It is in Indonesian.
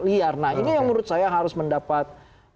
liar nah ini yang menurut saya harus mendapat